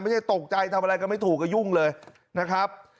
ตกใจทำอะไรกันไม่ถูกก็ยุ่งเลยนะครับ